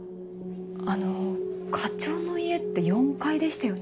あの課長の家って４階でしたよね？